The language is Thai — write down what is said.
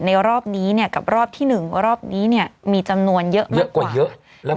ในรอบนี้เนี่ยกับรอบที่หนึ่งรอบนี้เนี่ยมีจำนวนเยอะมากกว่าเยอะกว่าเยอะ